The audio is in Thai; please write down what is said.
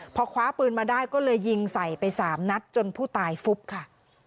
พอคว้าปืนมาได้ก็เลยยิงใส่ไป๓นัดจนผู้ตายฟุบค่ะ